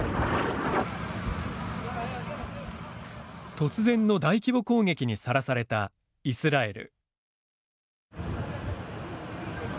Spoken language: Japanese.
突然の大規模攻撃にさらされたイスラエル。